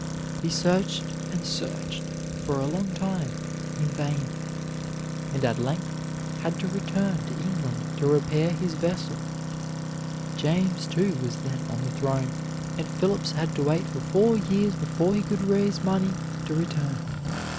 He searched and searched for a long time in vain, and at length had to return to England to repair his vessel. James II was then on the throne, and Phipps had to wait for four years before he could raise money to return.